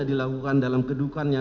dilakukan dalam kedukannya